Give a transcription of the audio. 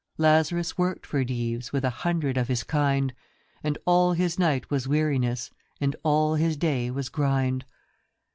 Lazarus worked for Dives With a hundred of his kind, And all his night was weariness, And all his day was grind.